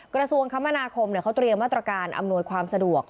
กระทรวงคมนาคมเขาเตรียมมาตรการอำนวยความสะดวก